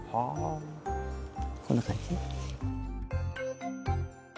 こんな感じ。